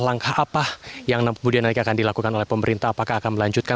langkah apa yang kemudian nanti akan dilakukan oleh pemerintah apakah akan melanjutkan